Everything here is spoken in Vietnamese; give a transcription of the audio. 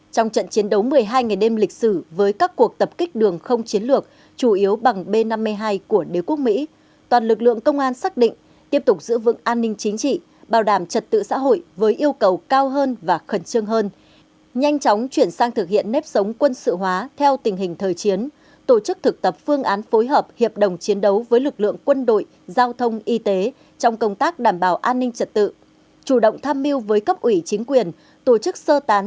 trong trận chiến đấu một mươi hai ngày đêm lịch sử với các cuộc tập kích đường không chiến lược chủ yếu bằng b năm mươi hai của đế quốc mỹ toàn lực lượng công an xác định tiếp tục giữ vững an ninh chính trị bảo đảm trật tự xã hội với yêu cầu cao hơn và khẩn trương hơn nhanh chóng chuyển sang thực hiện nếp sống quân sự hóa theo tình hình thời chiến tổ chức thực tập phương án phối hợp hiệp đồng chiến đấu với lực lượng quân đội giao thông y tế trong công tác đảm bảo an ninh trật tự chủ động tham mưu với cấp ủy chính quyền tổ chức sơ tán